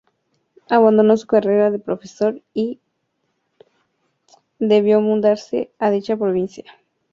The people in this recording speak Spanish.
Abandonó su carrera de profesor y debió mudarse a dicha provincia.